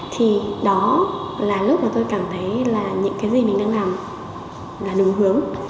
thì đó là lúc mà tôi cảm thấy là những cái gì mình đang làm là đúng hướng